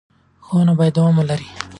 ښوونه باید دوام ولري.